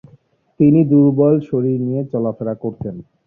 তিনি দূর্বল শরীর নিয়ে চলাফেরা করতেন।